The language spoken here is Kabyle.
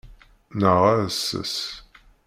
Neɣ aɛessas.